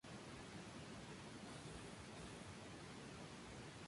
En su autobiografía admitía que esa actuación la hizo como divertimento.